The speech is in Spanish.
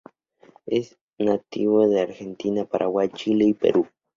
Es nativo de Argentina, Paraguay, Chile y Perú.